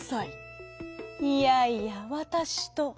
「いやいやわたしと」。